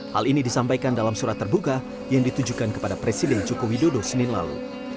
hal ini disampaikan dalam surat terbuka yang ditujukan kepada presiden joko widodo senin lalu